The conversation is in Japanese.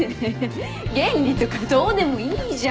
原理とかどうでもいいじゃん！